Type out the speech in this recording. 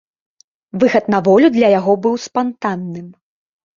Выхад на волю для яго быў спантанным.